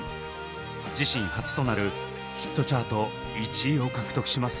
自身初となるヒットチャート１位を獲得します。